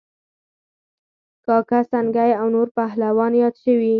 کاکه سنگی او نور پهلوانان یاد شوي